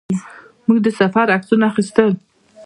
موږ د سفر عکسونه اخیستل.